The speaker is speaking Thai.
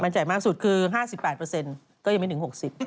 มั่นใจมากสุดคือ๕๘ก็ยังไม่ถึง๖๐